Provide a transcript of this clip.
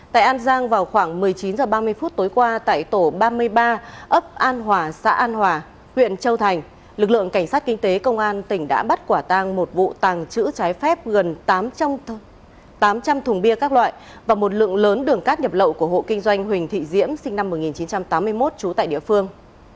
tại an giang vào khoảng một mươi chín h ba mươi phút tối qua tại tổ ba mươi ba ấp an hòa xã an hòa huyện châu thành lực lượng cảnh sát kinh tế công an tỉnh đã bắt quả tang một vụ tàng trữ trái phép gần tám trăm linh thùng bia các loại và một lượng lớn đường cát nhập lậu của hộ kinh doanh huỳnh thị diễm sinh năm một nghìn chín trăm tám mươi một trú tại địa phương